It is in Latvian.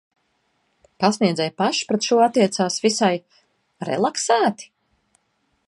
Pasniedzēji paši pret šo attiecās visai... relaksēti?